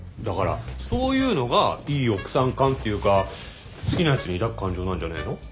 だからそういうのがいい奥さん感っていうか好きな人に抱く感情なんじゃねえの？